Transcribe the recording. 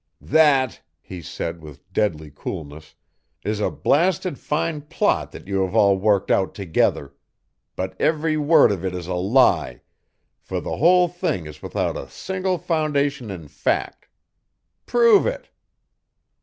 "That," he said with deadly coolness, "is a blasted fine plot that you have all worked out together. But every word of it is a lie, for the whole thing is without a single foundation in fact. Prove it!"